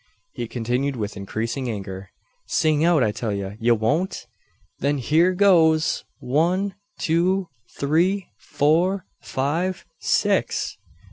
he continued with increasing anger, "sing out, I tell ye! Ye won't? Then hyur goes! One two three four five six!"